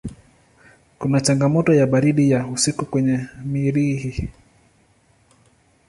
Kuna changamoto ya baridi ya usiku kwenye Mirihi.